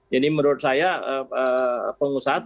jadi menurut saya pengusaha